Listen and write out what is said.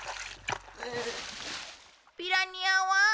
ピラニアは？